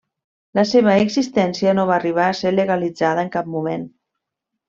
La seva existència no va arribar a ser legalitzada en cap moment.